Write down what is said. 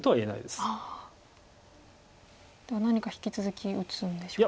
では何か引き続き打つんでしょうか。